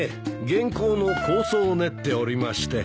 原稿の構想を練っておりまして。